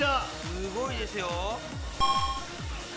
すごいですよ！